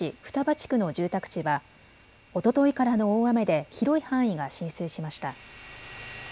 地区の住宅地はおとといからの大雨で広い範囲が浸水しました。